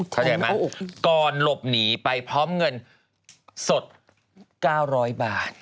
เข้าใจไหมก่อนหลบหนีไปพร้อมเงินสด๙๐๐บาท